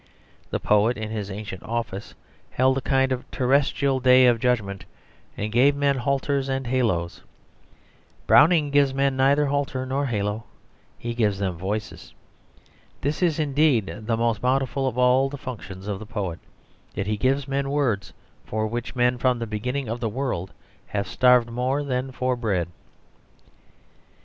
The poet in his ancient office held a kind of terrestrial day of judgment, and gave men halters and haloes; Browning gives men neither halter nor halo, he gives them voices. This is indeed the most bountiful of all the functions of the poet, that he gives men words, for which men from the beginning of the world have starved more than for bread.